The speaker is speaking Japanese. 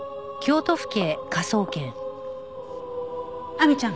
亜美ちゃん